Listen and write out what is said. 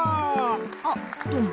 あっどうも。